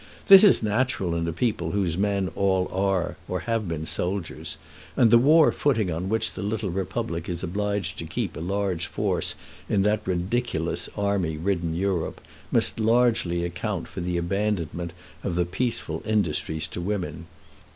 This is natural in a people whose men all are or have been soldiers; and the war footing on which the little republic is obliged to keep a large force in that ridiculous army ridden Europe must largely account for the abandonment of the peaceful industries to women.